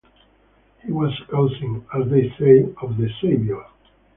He was a cousin, as they say, of the Saviour.